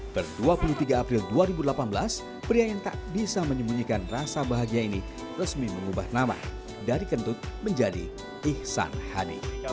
per dua puluh tiga april dua ribu delapan belas pria yang tak bisa menyembunyikan rasa bahagia ini resmi mengubah nama dari kentut menjadi ihsan hani